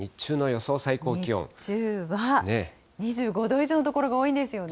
日中は、２５度以上の所が多ですね。